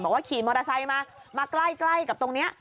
ขี่มอเตอร์ไซค์มามาใกล้กับตรงนี้